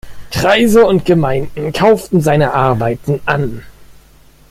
Kreise und Gemeinden kauften seine Arbeiten an.